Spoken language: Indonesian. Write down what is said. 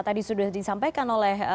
tadi sudah disampaikan oleh mas febri